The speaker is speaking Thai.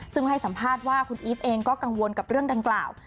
ซึ่งให้สัมภาษณ์ว่าคุณอีฟเองก็กังวลกับเรื่องดังกล่าว